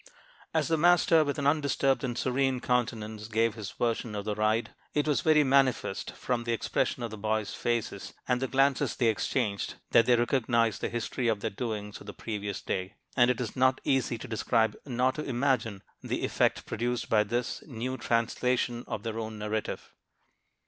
As the master, with an undisturbed and serene countenance, gave this version of the ride, it was very manifest from the expression of the boys' faces, and the glances they exchanged, that they recognized the history of their doings of the previous day; and it is not easy to describe nor to imagine the effect produced by this new translation of their own narrative.